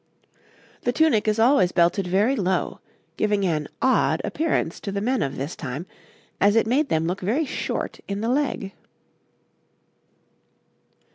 The tunic is always belted very low, giving an odd appearance to the men of this time, as it made them look very short in the leg.